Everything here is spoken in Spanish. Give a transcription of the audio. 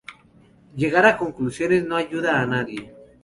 Llegar a conclusiones no ayuda a nadie.